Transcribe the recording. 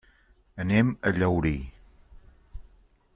Anem a Llaurí.